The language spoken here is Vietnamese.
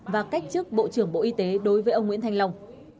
và cách chức bộ trưởng bộ y tế đối với ông nguyễn thanh long